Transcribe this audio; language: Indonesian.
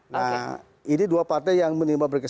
nah ini dua partai yang menimah berkah